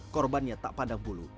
korbannya tak pandang bulu